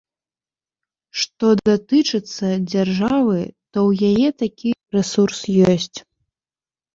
Што датычыцца дзяржавы, то ў яе такі рэсурс ёсць.